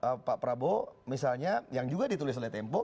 pak prabowo misalnya yang juga ditulis oleh tempo